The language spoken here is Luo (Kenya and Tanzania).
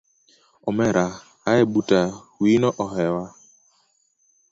Omera hae buta wiyino hoewa.